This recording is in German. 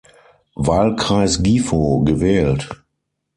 Wahlkreis Gifu gewählt.